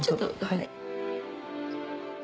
はい。